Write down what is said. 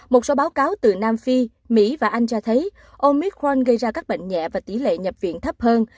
một số báo cáo từ nam phi mỹ và anh cho thấy omid khoan gây ra các bệnh nhẹ và tỷ lệ nhập viện thấp hơn